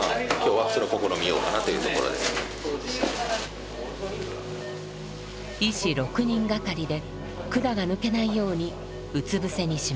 医師６人がかりで管が抜けないようにうつ伏せにします。